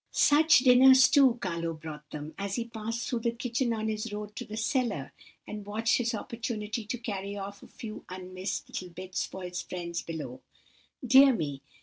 "Such dinners, too, Carlo brought them, as he passed through the kitchen on his road to the cellar, and watched his opportunity to carry off a few un missed little bits for his friends below. Dear me!